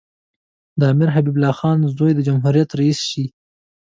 د امیر حبیب الله خان زوی د جمهوریت رییس شي.